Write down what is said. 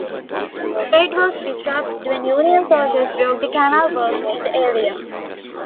Trade was disrupted when Union soldiers broke the canal works in the area.